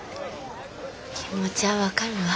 気持ちは分かるわ。